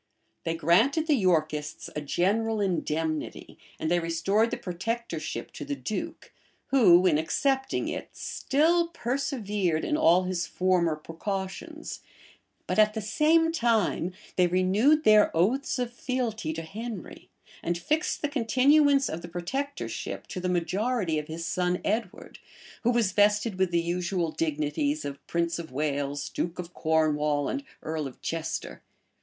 They granted the Yorkists a general indemnity, and they restored the protectorship to the duke, who, in accepting it, still persevered in all his former precautions; but at the same time they renewed their oaths of fealty to Henry, and fixed the continuance of the protectorship to the majority of his son Edward, who was vested with the usual dignities of prince of Wales, duke of Cornwall, and earl of Chester.